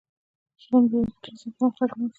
په شلمه پیړۍ کې ډیر زیات پرمختګونه وشول.